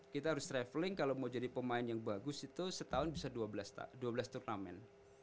kita harus traveling kalau mau jadi pemain yang bagus itu setahun bisa dua belas turnamen